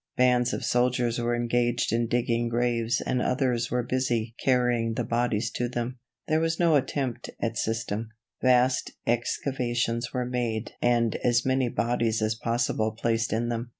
Bands of soldiers were engaged in digging graves and others were busy carrying the bodies to them. There was no attempt at system. Vast excavations were made and as many bodies as possible placed in them.